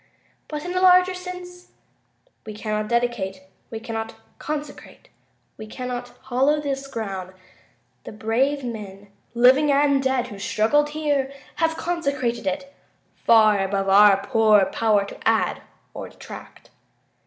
But, in a larger sense, we cannot dedicate. . .we cannot consecrate. .. we cannot hallow this ground. The brave men, living and dead, who struggled here have consecrated it, far above our poor power to add or detract.